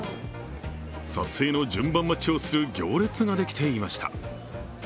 撮影の順番待ちをする行列ができていました。